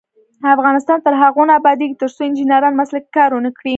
افغانستان تر هغو نه ابادیږي، ترڅو انجنیران مسلکي کار ونکړي.